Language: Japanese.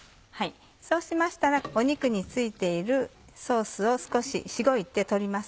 そうしましたら肉に付いているソースを少ししごいて取ります。